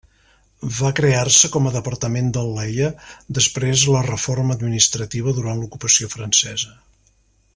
Va crear-se com a departament del Leie després la reforma administrativa durant l'ocupació francesa.